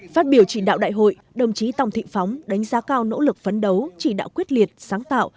phát biểu chỉ đạo đại hội đồng chí tòng thị phóng đánh giá cao nỗ lực phấn đấu chỉ đạo quyết liệt sáng tạo